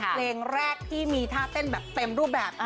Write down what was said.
เพลงแรกพี่มีท่าเต้นแบบเต็มรูปแบบ